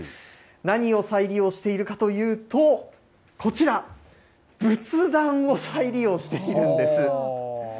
何を再利用しているかというと、こちら、仏壇を再利用しているんです。